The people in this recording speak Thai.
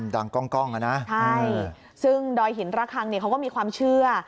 ดังกล้องอ่ะนะใช่ซึ่งดอยหินระคังเนี่ยเขาก็มีความเชื่อ